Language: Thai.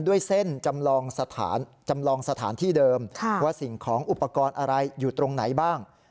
ด้วยเส้นจำลองสถานจำลองสถานที่เดิมว่าสิ่งของอุปกรณ์อะไรอยู่ตรงไหนบ้าง